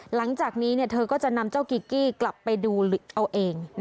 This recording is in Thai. หลังจากนี้เธอก็จะนำเจ้ากิ๊กกี้กลับไปดูเอาเอง